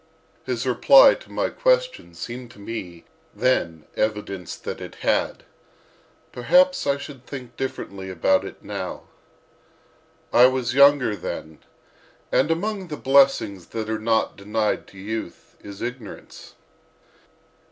His reply to my question seemed to me then evidence that it had; perhaps I should think differently about it now. I was younger then, and among the blessings that are not denied to youth is ignorance.